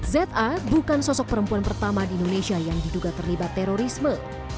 za bukan sosok perempuan pertama di indonesia yang diduga terlibat terorisme